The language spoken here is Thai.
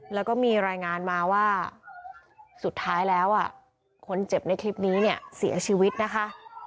แล้วก็มีรายงานมาว่าสุดท้ายแล้วคนเจ็บในคลิปนี้เนี่ยเสียชีวิตนะคะ